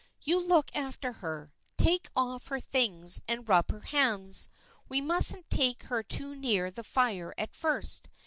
" You look after her. Take off her things and rub her hands. We mustn't take her too near the fire at first.